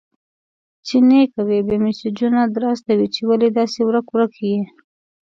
چي نې کوې، بيا مسېجونه در استوي چي ولي داسي ورک-ورک يې؟!